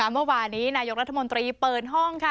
เมื่อวานนี้นายกรัฐมนตรีเปิดห้องค่ะ